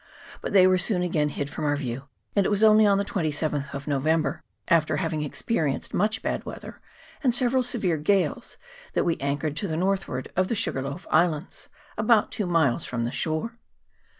But they were soon again hid from our view ; and it was only on the 27th of No vember, after having experienced much bad weather and several severe gales, that we anchored to the northward of the Sugarloaf Islands, about two miles from the shore.